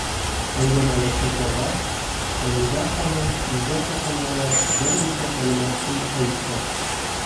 Әңгәмәләшә торғас, Фәниҙә ханым үҙе хаҡында ла бер нисә кәлимә һүҙ әйтте.